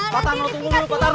pak tarno tunggu dulu pak tarno